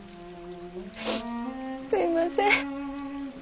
すいません。